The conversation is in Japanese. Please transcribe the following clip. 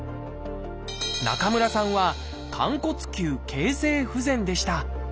中村さんは「寛骨臼形成不全」でした。